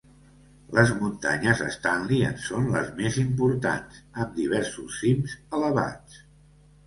Les muntanyes Stanley en són les més importants, amb diversos cims elevats.